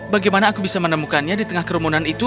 bagaimana aku bisa menemukannya di tengah kerumunan itu